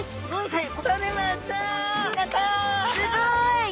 はい。